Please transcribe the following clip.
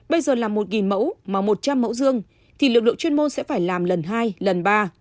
bây giờ là một mẫu mà một trăm linh mẫu dương thì lực lượng chuyên môn sẽ phải làm lần hai lần ba